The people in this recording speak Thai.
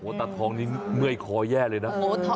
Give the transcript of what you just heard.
ตาทองนี้เมื่อยคอแย่เลยนะ